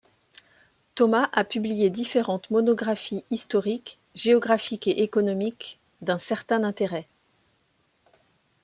Thomas a publié différentes monographies historiques, géographiques et économiques d'un certain intérêt.